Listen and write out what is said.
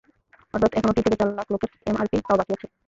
অর্থাৎ এখনো তিন থেকে চার লাখ লোকের এমআরপি পাওয়া বাকি আছে।